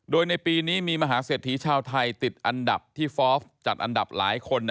โดยในปีนี้มีมหาเศรษฐีชาวไทยติดอันดับที่ฟอล์ฟจัดอันดับหลายคน